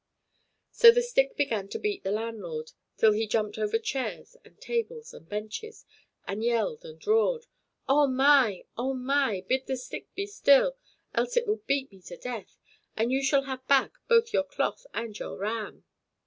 So the stick began to beat the landlord, till he jumped over chairs, and tables, and benches, and yelled and roared: "Oh my! oh my! bid the stick be still, else it will beat me to death, and you shall have back both your cloth and your ram."